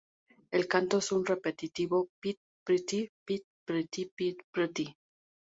El canto es un repetitivo "pit-pretty, pit-pretty, pit-pretty".